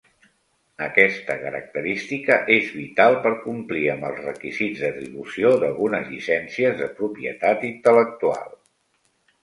Aquesta característica és vital per complir amb els requisits d'atribució d'algunes llicències de propietat intel·lectual.